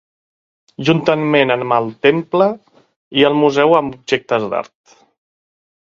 Juntament amb el temple, hi ha el museu amb objectes d'art.